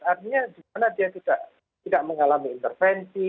artinya dimana dia tidak mengalami intervensi